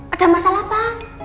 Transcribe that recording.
ada masalah apa